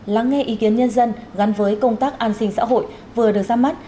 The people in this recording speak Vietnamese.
lắng nghe ý kiến nhân dân gắn với công tác an sinh xã hội vừa được ra mắt